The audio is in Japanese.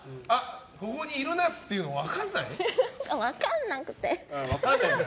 ここにいるなっていうの分かんなくて。